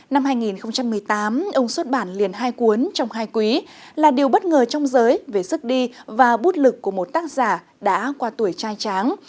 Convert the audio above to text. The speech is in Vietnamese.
năm hai nghìn một mươi tám ông xuất bản liền hai cuốn trong hai quý là điều bất ngờ trong giới về sức đi và bút lực của một tác giả đã qua tuổi trai tráng